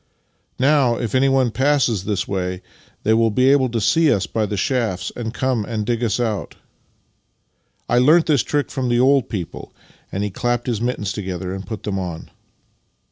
" Now, if anyone passes this way they will be able to see us by the shafts, and come and dig us out. I learnt that trick from the old people," and he clapped his mittens together and put them on.